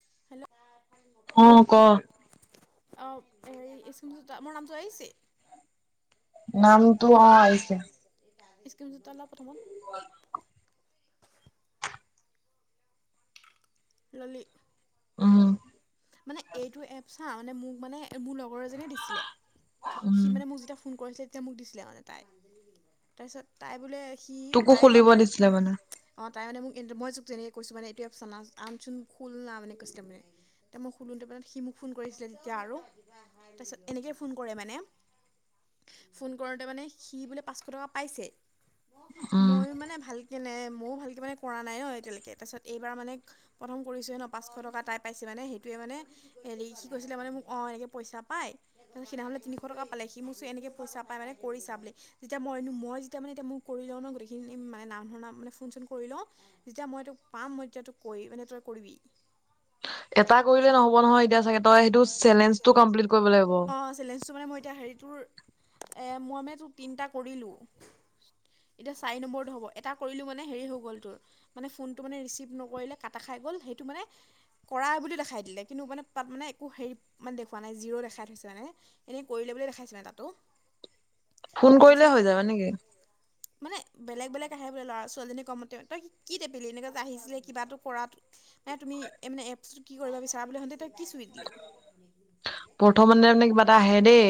Hello. অ ক। অ এই স্মৃতিতা মোৰ নামটো আহিছে? নামটো অৱ আহিছে। ইক্ৰম জোত লা প্ৰথমত। উ [unintelligible] ললি। মানে এইটো এপ চা মানে মোক মানে মোৰ লগৰ এজনীয়ে দিছিলে। সি মানে মোক যেতিয়া ফোন কৰিছিলে তেতিয়া মোক দিছিলে মানে তাই তাৰপিছত তাই বোলে। সি তাই কোৱা অ তাই মানে মোক। কিন্তু মই যেনেকে কৈছো মান এইটো আনচোন খল না মই সোধুতে সি মোক ফোন কৰিছি তেতিয়া আৰু তাৰপিছত এনেকেই ফোন কৰে মানে। ফোন কৰোতে মানে সি বোলে পাঁচশ টকা পাইছে,। মইো মানে ভালকে নে ময়ো ভালকে মানে কৰা নাই ন এতিয়ালৈকে তাৰ পিছত এইবাৰ মানে প্ৰথম কৰিছোে ন। পাঁশটকা তাই পাইছে মানে সেই। টোৱে মানে হেৰি কি কৈছিলে মানে মোক অ এনেকৈ পইচা পায়াৰছ সদিনা'লে তিনিশ টকা পালে সি মোকো এনেক। পইচা পাই মানে কৰি চাব বুলি যেতিয়া মই মই যেতিয়া মানে কৰি লওঁ ন গোইখিনি মানে ন। ফোন-চোন কৰি লও যেতিয়া মই তোক পাম মই তেতিয়া তোক কৈ মানে তই কৰিবি। এটা কৰিলে নহ'ব নহয় এতিয়া চাগে তই সেইটো চেলেঞ্জটো কমপ্লিট কৰিব লাগিব। এ হেৰি তোৰ এ মইমে ত তিনটা কৰিলো। এতিয়া চাৰি নম্বৰটো হ'ব এটা কৰিলোঁ মানে হেৰি হৈ গ'ল তোৰ মানে ফোনটো মানে ৰিচিভ নকৰিলে কাটা খাই। গল সেইটো মানে কৰা বুলি দেখ। খাই দিলে কিন্তু মানে তাত মানে একো হেৰি মানে দেখওুৱ নাই জিৰ' দেখাই থৈছে মানে এনে কৰিলে বুলিয় দেখাইছে মানে তাতো। [unintelligible] ফোন কৰিলে হৈ যাবা নেকি। মানে বেলেগ বেলেগ আহে বোলে ল'ৰা ছোৱালীজনী কমতে তই কি দে বেলি এনেকুৱা যে আহিছিলে কিবাটো কৰা। এ তুমি মানে এছ কি কৰিব বিচাৰা বুলি তই কি চুই দিলি। প্ৰথমানে মানে কিবা এটা আহে দেই,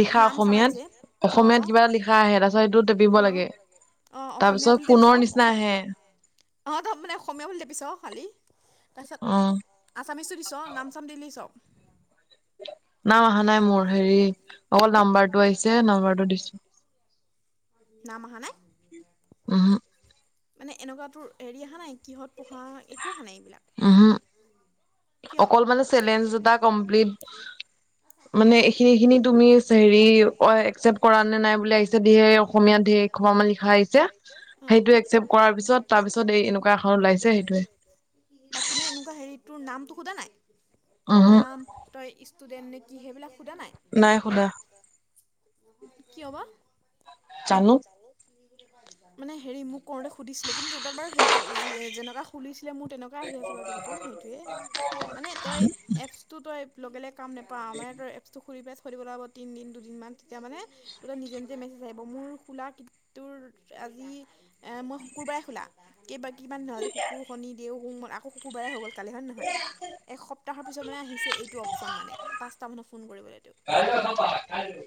লিখা অসমীয়াত, অসমীয়াত কিবা এটা লিখা আহে তাৰপিছত এইটো। পিব লাগে তাৰ পিছত ফোনৰ নিচিনা আহে। অ ত মানে অসমীয়া বুলি দে পিছ খালি। অ। আছামিছো দিছ নাম চাম দিলি চপ। নাম অহা নাই মোৰ হেৰি অকল নাম্বাৰটো আহিছে নাম্বাৰটো দিছো। নাম আহা নাই। উহো। মানে এনেকুৱাতো হেৰি অহা নাই, কিহঁত পঢ়া একো অহা নাই এইবিলাক অকল মানে চেলেঞ্জ এটা কমপ্লিট। মানে এইখিনি খিনি তুমি হেৰি অ একচেপট কৰা নে নাই বুলি আহিছে দে [unintelligible] অসমীয়াত। বাকী ম এনেকুৱা হেৰি। তোৰ নাম সুধা নাই নাম ইছতুডেন না কি সেইবিলাক। নাই শুনা। কি হব। জানোঁ।। মানে হেৰি মোক কৰওঁতে সুধিছিলে কিন্তু ত তাত বাৰু সেইটো যেনেককা খুলিছিল। মোৰ তেনেকুৱা আহি আছে বাৰু ত তাতো সেইটোৱে মানে তই এপছটো তই লগে লগে। কাম নাপাওঁ মানে তই এপটো খুলি পেজ- থৈ দিব লাগিব তিনিদিন দুদিনমান তেতিয়া মানে তহঁতৰ নিজে নিজে মেছেজ আহিব মোৰ। খোলা কটোৰ আজি মই শুকুৰবাৰে খোলা। কেইবা কিমান নহয় যে শুকুৰ শনি দেও আকৌ শুকুৰবাৰেই হৈ গ'ল কালি হয় নে নহয়। এসপ্তাহৰ পিছত মানে আহিছে এইটো অপচন মানে পাচ মানত ফোন কৰিব এইটো। আৰু।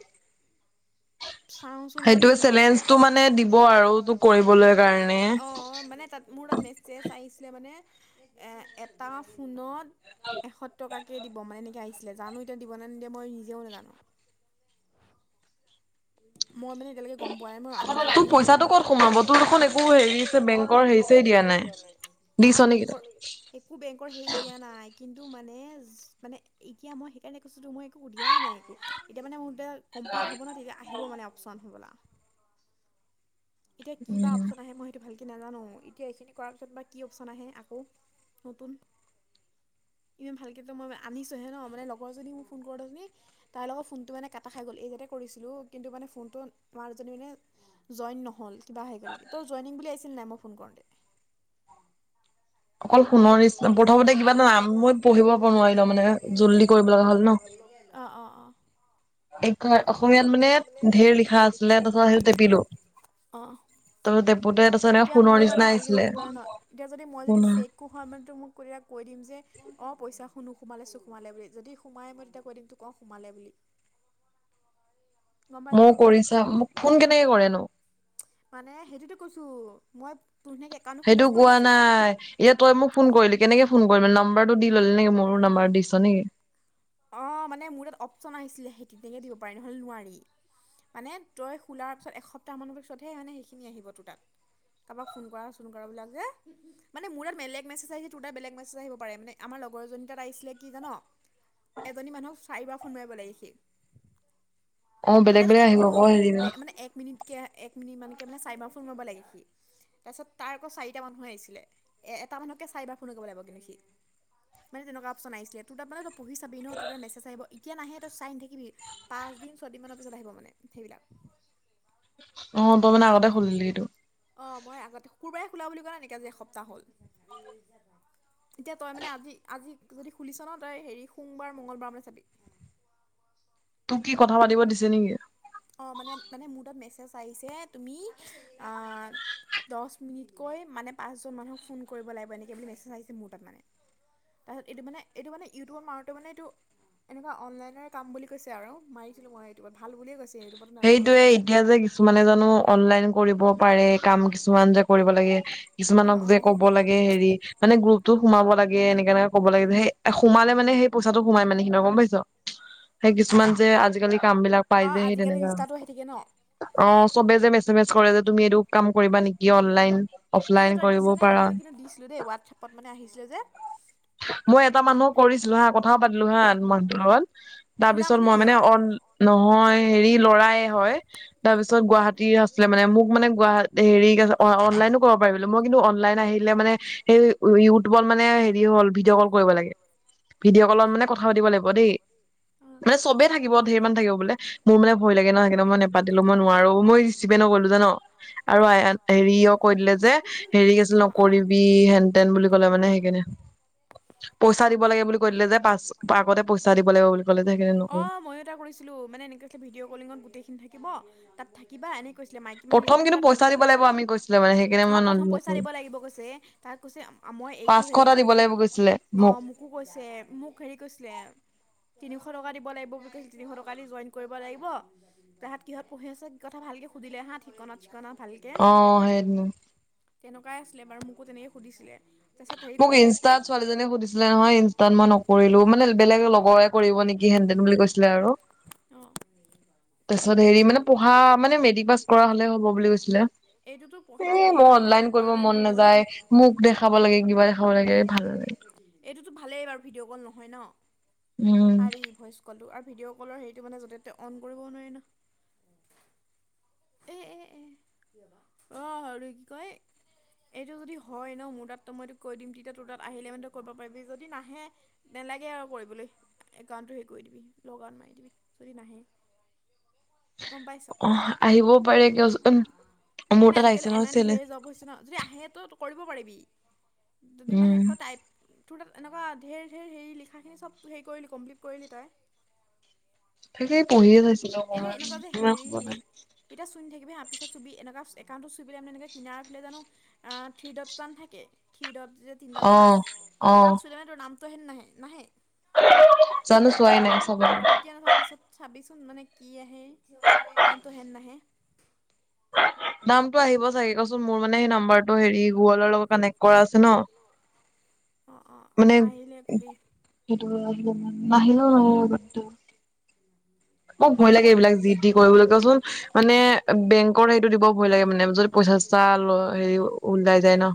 চাওচোন ৰ কি হয়, এ চেলেঞ্জটো মানে দিব আৰু তোক কৰিবলৈ কাৰণে। অ মানে তাত মোৰ তাত মেছেজ আহিছিলে মানে। এ এটা ফোনত এশ টকাকে দিব মানে এনেকে আহ- ছিলে এতিয়া দিব ন মই নিজে নাজানো। মই মানে এতিয়ালৈ গম প নাই মই আনিছো হে ন। তাত বেং একো বেংকৰ হেই দিয়া নাই কিন্ মানে মানে এতিয়া মই সেইকাৰণে কৈছো তু মই একো দিয়াই নাই একো এতিয়া মানে মোৰ। বেল কমপ্লিট হ'ব ন তেতিয়া আহিব মানে অপচন হবলা এতিয়া কি বা অপচন আহে মই সেইটো ভালকে। কি নাজানো এতিয়া এইখিনি কৰাৰ পিছত বা কি অপচন আহে আকৌ নতুন। ইমান ভালকৈ তো মই আনিছোঁহে ন, মানে লগৰ যদি মোৰ ফোন কৰোতে তাই লগ ফোনটো মানে কাটা খাই গ'ল এই যাতে কৰিছিলোঁ কিন্তু মানে ফটো, [unintelligible] জয়ন কিবা আহি গল নে ত জইং বুলিছিল নাই মই ফোন কৰোতে অকল সোণৰ নিচিনা প্ৰথমতে কিবা এটা নাম মই পঢ়িব নোৱাৰিলো মানে জুল্দি কৰিব লগা হ'ল ন। অ অ অ। এই অসমীয়াত মানে ঢেৰ লিখা আছিলে তাৰপিছত সেইটো টেপিলো। তাৰপিছত ডেপুতে তাৰপিছত সোণৰ নিচিনা আহিছিলে অ মা। কো হয় মানে তোক মোক কৰিয়া কৈ দিম যে অ পইচা শুনো সোমালেছো সোমালে বুলি যদি সোমাই মই তেতিয়া কৈ দিম তোক। সোমালে বুলি মৌ কৰি চাও মোক ফোন কেনেকে কৰেনো? মানে সেইটোতে কৈছোঁ মই সেইটো কোৱা নাই ই তই মোক ফোন কৰিলি কেনেকে ফোন কৰি নম্বাৰটো দি ল'লি নেকি মোৰো নম্বাৰ দিছ নেকি? অ মানে মোৰ তাত অপচন আহিছিলে সেই তে তেনেকে দিব পাৰি নহ'লে নোৱাৰি। মানে তই খোলাৰ পিছত এসপ্তাহ মানৰ পিছতহে মানে সেইখিনি আহিব তোৰ তাত কাৰোবাক ফোন কৰা চোন কৰা বিলাক যে মানে মোৰ ত বেলেগ মেছেজ আহিছে তোৰ তাত বেলেগ মেছেজ আহিব পাৰে মে আমাৰ লগৰজনী তাত আহিছিলে কি জান এজনী মানুহক চাৰিবাৰ ফোন মাৰিব লাগে সি। মানে এক মিনিট হওক মানে এক মিনিট। এক মিনিট মানে মানে চাইমাৰ ফোন মাৰিব লাগে সি তাৰপিছত তাৰ আক চাৰিটা মানুহে আহিছিলে। এট- এটা মানুহকে চাই ফোন কৰিব লাগিব কিন্তু সি মানে তেনেকুৱা অপশন আছিলে তাত পঢ়ি ছা। মেচজ আহিব এতিয়া নাহে ত চাইন নাথাকিবি পাঁচ দিন ছয়দিন পিছত আহিব মানে সেইবিলাক। [inaudible] অ মই আগতে শুক্ৰবাৰে খোলা বুলি কোৱা নাই নেকি আজি এসপ্তাহ হ'ল। এতিয়া তই মানে আজি আজি যদি খুলিছ ন তই হেৰি সোমবাৰ, মঙ্গলবাৰ মানে চাবি। [unintelligible] কি কথা পাতিব দিছে নেকি? অ মানে মানে মোৰ তাত মেছেজ আহিছে তুমি আ- দহ মিনিটকৈ মানে পাঁচজন মানুহক ফোন কৰিব লাগিব এনেকে বুলি মেছেজ আহিছে মোৰ তাত মানে। তাৰপিছত এইটো মানে এইটো মানে ইউটিউবত মাৰোতে মানে এইটো এনেকুৱা অনলাইনে কাম বুলি কৈছে আৰু মাৰিছিলো মই এইটোবত ভাল বুলিয়ে কৈছে। সেইটোয়ে এতিয়া যে কিছুমানে জানো অনলাইন কৰিব। পাৰে কাম কিছুমান যে কৰিব লাগে কিছুমানক যে ক'ব লাগে হেৰি মানে গ্ৰপ। তু সোমাব লাগে এনেকে এনেকে কব লাগে যে সেই সোমালে মানে সেই পইচাটো সোমাই মানে সিন গম পাইছ। সেই কিছুমান যে আজিকালি কাম বিলাক পাই যে সেই। আজিকালি ইনষ্টাটো আহি থাকে ন। অ, চবে যে মেছে - মেজ কৰে যে তুমি এইটো কাম কৰিবা নেকি অনলাইন। এই তই দিছ নে মই কিন্তু দিছিলো দেই হোৱাটছএপত মানে আহিছিলে যে। মই এটা মানুহক কৰিছিলো হা কথাও পাতিলো হা মানুহটো লগত। তাৰপিছত মই মানে নহয়। লৰাই হয় তাৰপিছত গুৱাহাটী আছিলে মানে মোক মানে গুৱাহ হেৰি অ, অনলাইনো মই কিন্ত অনলাইন আহিলে মানে সেই ইউটিউবত মানে হেৰি হ'ল ভিডিঅ' কল কৰিব লাগে। ভিডিঅ' কলত মানে কথা পাতিব লাগিব দেই। মানে চবে থাকিব ধেই মানু্হ থাকিব বোলে। মানে ভয় লাগে ন' সেইকাৰণে মই নেপাতিলো মই নোৱাৰো মই ৰিচিভে নকৰিলো জান আৰু হেৰি কৈ দিলে হেৰি আছিল এইটো নকৰিবি হেন তেন বুলি কলে মানে সেইকাৰণে। পইচা দিব লাগে বুলি কৈ দিলে যে পাচ আগতে পইচা দিব লাগে বুলি কলে যে সেইয়ে নকৰো। কৰিছিলো মানে এনেকে ভিডিঅ' কলিঙত গোটেইখিনি থাকিব তাত থাকিবা এনেকে প্ৰথম কিন্তু পইচা দিব লাগিব আমি কৈছিলে মানে স অ, প্ৰথম পইচা দিব লাগিব কৈছে তাক কৈছে মই এইটো হেৰিত অ, মোকো কৈছে মোক হেৰি কৈছিলে তিনিশ টকা দিব লাগিব বুলি কৈছিল। তিনিশ টকা দি জইন কৰিব লাগিব তাহত কিহত পঢ়ি আছে কি কথা ভালকে সুধিলে হা ঠিকনাত অ, হেইটেনো। তেনেকুৱাই আছিলে বাৰু মোকো তেনেকে সুধিছিলে। মোক ইনষ্টাত ছোৱালীজনী সুধিছিলে নহয়। ইনষ্টাত মই নকৰিলো মানে বেলেগ লগৰে কৰিব নেকি হেন তেন বুলি কৈছিলে আৰু। অ', এইটো তো পঢ়া [unintelligible] এই মই অনলাইন কৰিব মন নাযায় মোক দেখা ব লাগে কিবা দেখাব লাগে ভাল নালাগে। ভালেই বাৰু ভিডিঅ কল নহয় ন। ভিডিঅ' কলৰ হেৰিটো মানে য'তে ততে অন কৰিব নোৱাৰি ন। এ - এ - এ অ, আৰোগ্যয়। এইটো যদি হয় ন মোৰ তাত তো মইটো কৈ দিম তেতিয়া তোৰ তাত আহিলে মানে তই ক পাৰিবি যদি নাহে দেন নেলাগে আৰু কৰিবলৈ একাউণ্টটো হেৰি কৰি দিবি লগ আউট মাৰি দিবি যদি নাহে অহ, আহিবও পাৰে কিয়চ উম, মোৰ তাত আহিব। কেলে অনলাইন ধিই জব হৈছে ন যদি আহে তো কৰিব পাৰিবি। যদি নাহে তই টাইপ তোৰ তাত এনেকুৱা ধেৰ - ধেৰ হেৰি লিখাখিনি চব হেৰি কৰিলি কমপ্লিট কৰিলি তই? থাকেই পঢ়িয়ে চাইছিলো অকমান ইমান খব নাই। এনে আহ, পিছত চুবি এনেকুৱা একাউণ্টত চুই পেলাই এনেকে কিনাৰ ফালে জানো আহ থিৰ দপতন থাকে। যে তিনডাল আছ তাত চুলে মানে তোৰ নামটো আহে নে নাহে-নাহে। জানো চোৱাই নাই চাব লাগিব। [unintelligible] কোন মানে কি আহে নামটো হেন নাহে। [unintelligible] নামটো আহিব চাগে কচোন মোৰ মানে সেই নাম্বাৰটো হেৰি গুগলৰ লগত কানেক্ট কৰা আছে ন। মানে সিটো নাহিলো নহয়। মোৰ ভয় লাগে এইবিলাক যিটি কৰিবলৈ কোৱাচোন মানে বেংকত সেইটো দিব ভয় লাগে মানে যদি পইচা সচা হেৰি ওলাই যায় ন।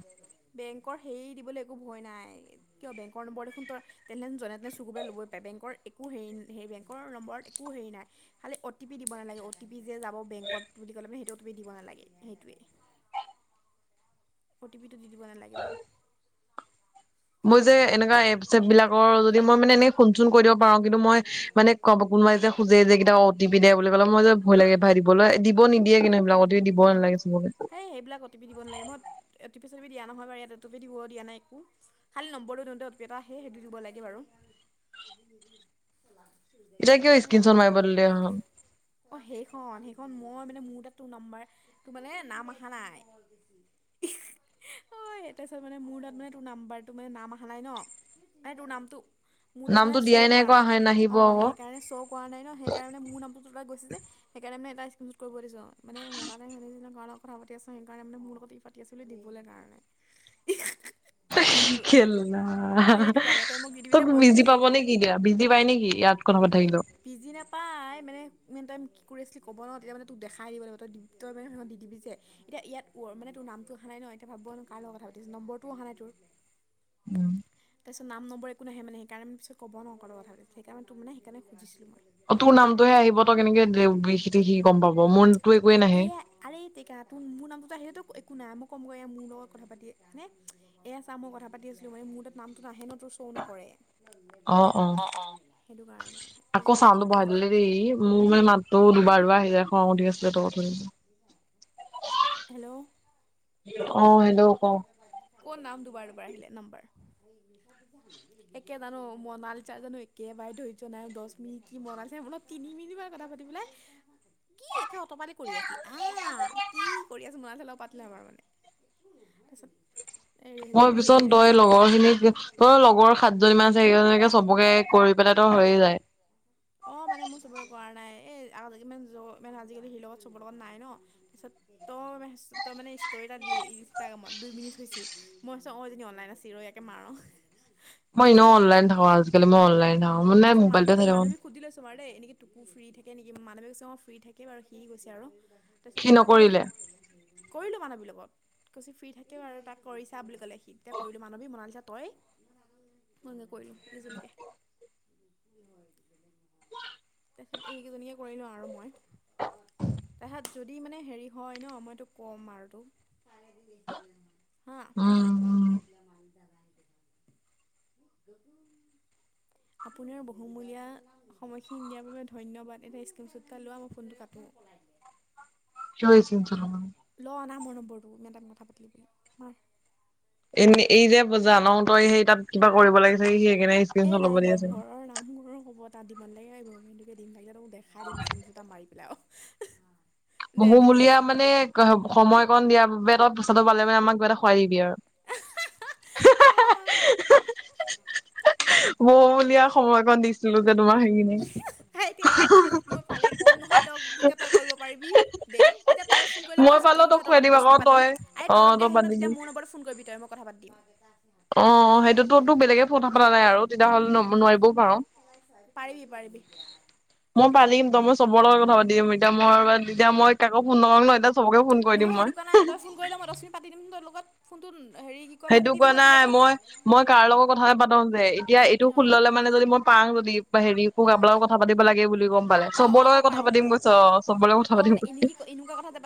বেংকৰ হেৰি দিবলৈ একো ভয় নাই। কিয় বেংকৰ নম্বৰ দেখোন তই তেনে হ'লে চবৰ পৰাই ল'বই পাৰে। বেংকৰ একো হেই বেংকৰ নম্বৰত একো হেৰি নাই। খালি অ, টি পি দিব নালাগে অ, টি পি যে যাব বেংকত বুলি ক'লে মানে সেইটো অ, টি পি দিব নালাগে সেইটোৱে। [inaudible] অ, টি পি টো দি দিব নালাগে মানে। মই যে এনেকুৱা এপ চেপ বিলাকৰ যদি মই মানে এনে ফোন চোন কৰি দিব পাৰো কিন্তু মই মানে কব- কোনোবাই যে খোজে যে কেতিয়াবা অ' টি পি দিয়া বুলি কলেই যে মই যে ভয় লাগে পাই দিবলৈ। দিব নিদিয়ে কিন্তু সেবিলাকত দিব নালাগে। সেই সেইবিলাক অ'টি পি দিব নালাগে মই O T P C T P দিয়া নহয় বাৰু ইয়াত অটি পি দিব দিয়া নাই একো। খালী নম্বৰটো দিওঁতে অ' টি পি এটা আহে সেইটো দিব লাগে বাৰু। এতিয়া কিয় স্কিনচত মাৰিব দিলেই হ'ল। মোৰ তাত তোৰ নাম্বাৰ তোৰ মানে নাম অহা নাই ইহ অই মানে মোৰ তাত মানে তোৰ নাম্বাৰটো মানে নাম অহা ন তাই তোৰ নামটো মোৰ তাত মানে শ্ব' কৰা নাই অ সেইকাৰণে শ্ব' কৰা নাই ন সেইকাৰণে মানে মোৰ নামটো ত' তা'ত গৈছে যে। সেইকাৰে এটা কৰিব দিছো মানে কথা পাতি আছে সেইকাৰণে মানে মোৰ লগত ই পাতি আছিলো দিবলৈ কাৰণে। কেলা তোক বিজি পাব নেকি দিয়া বিজি পাই নেকি ইয়াত বিজি নাপায় মানে- ইমান টাইম কি কৰি আছিলি ক'ব ন তেতিয়া মানে তোক দ দিবাগ তই তইানে ন দিদিবি যে এতিয়া ইয়াত মানে তোৰ তোৰ নামটো অহা ন এতিয়া ভাবিব হেনো কাৰ লগত কথা পাতিছ। নম্বৰটো অহা নাই তোৰ। তাৰ পিছত নাম নম্বৰে একো নাহে মানে সেইকাৰণে মানে পিছত ক'ব ন কাৰ লগত কথা পাতিছিলি সেইকাৰণে তোৰ মানে সেইকাৰণে মই। অ তোৰ নামটোহে আহিব তই কেনেকে দে বি সি গম পাব মোৰ নতটো একোৱে নাহে ত' মোৰ নামটো আহিলে তো একো নাই মই কমৈ মোৰ লগত কথা পাতি এয়া চা মই কথা পাতো। পাতি আছিলো মানে মোৰ তাত নামটো নাহে ন তো শ্ব' নকৰে। অ অ আকৌ চাওনটো বহাই দিলে দেই মোৰ মানে মাততো দুবাৰ দুবাৰ আহে। খঙ উঠি গৈছিলে ত উঠনী। হেল্ল' অহ হেল্ল' ক। আহে নম্বৰ একে জানো মনালিছা জানো একেবাৰে ধৰ্য্য নাই। দশ মিনিট কি মনালিছাই মনত তিনি মিনিট বাৰ কথা পা- পেলাই- কি একে অতপালি কৰি আছি আহ কি কৰি আছো মৰা পাতিলে আমাৰ মানে। তছ [inaudible] [unintelligible] মই পিছত তই লগৰ খিনি তই লগৰ সাতজনী মান আছে সেইজনকে চবকে কৰি পেলাই হৈয়ে যায়। অঁ মানে মোৰ চবেই কৰা নাই দেই - মানে আজি কালি শিৰ লগত চব লগত নাই ন ত' তই মানে ইষ্টটৰি এটা। ইনষ্টাগ্ৰামত দুই মিনিট হৈছে মই চ অঁ যজনী অনলাইনত আছে ৰ ইয়াকে মাৰোঁ। মই এনেও অনলাইন থাকো আজিকালি মই অনলাইন থাকো। মানে মোবাইলটোয়ে চাই থাকো। টোকো ফ্ৰী থাকে নেকি মানৱে কৈছে অঁ ফ্ৰী থাকে বাৰু সি গৈছে আৰু। তাৰপিছত কৈ কৰিলো মানে বেলেকত। কৈছে ফ্ৰী থাকেও আৰু তাক কৰিছা বুলি কলে সি তেতিয়া কৰিলো মানৱী মনালিছা তই মই নকৰিম ইজনীকে- [unintelligible] তাৰপিছত এইকেইজনীয়ে কৰিলো আৰু মই। তাহাত যদি মানে হেৰি হয় ন মই তোক কম আৰু তোক হা। [unintelligible] আপোনাৰ বহুমূলীয়া সময়খিনি দিয়াৰ বাবে ধন্যবাদ এটা স্ক্ৰীমশ্বুট এটা লোৱা মই ফোনটো কাটো [unintelligible] কি হৈ চি চানে ল না মোৰ নম্বৰটো ম ত কথা পাতিল বুলি ম [inaudible] এনে এই যে জানো তই সেই তাত কিবা কৰিব লাগিছে স এ নাই নামঘৰৰ নামঘৰৰ হ'ব তাত দিমান লাগে আহিব। এইটোকে দিম লাগিলে টো- দেখাই দিম স্ক্ৰীণু এ মাৰি পেলাই অ বহুমূলীয়া মানে স সময়কণ দিয়াৰ বাবে তই পইচাটো পালে মানে আমাক কিবা এটা খুৱাই দিবি আৰু, অহা হাঁ। বহুমূলীয়া সময়কণ দিছিলো। সেইতোয়েটো মই পালে কম নহয় তক তেতিয়া তই কৰিব পাৰিবি। বেং তেতিয়াই ফোন কৰি মইভ কৰিম নহয় তোৰ লগত দহ মিনি পাতি দিম আই যদি আহে ন তেতিয়া মোৰ নম্ব ফোন কৰিবি। তেতিয়া মই কথা পাতি দিম। অঁ সেইটো তো বেলেগে- পাৰিবি পাৰিবি। মই পালিম তই মই চবৰ লগ কথা পাতি দিম এতিয়া মই এতিয়া মই কাকো ফোন নকৰোঁ ন এতিয়া চবকে ফোন কৰি দিম। অ সেইটো কোৱা নাই তই ফোন কৰি মই দশ মিনিট পাতি দিম তোৰ লগত ফোনটো সেইটো কোৱা নাই মই মই কাৰ লগত কথা নাপাতো। যে এতিয়া এইটো খোল্ললে মানে যদি মই পাং যদি বা হেৰি কাবাৰ কথা পাতিব লাগে বুলি গ'ম পালে চবৰলৈকে কথা পাতিম কৈছ অ চবৰলৈ কথা পাতিম কৈছে মোৰ লগত কথা নাপাতে,